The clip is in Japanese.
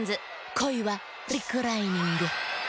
「こいはリクライニング」。